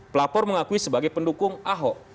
pelapor mengakui sebagai pendukung ahok